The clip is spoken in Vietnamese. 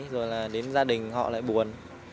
rồi đến gia đình họ lại buồn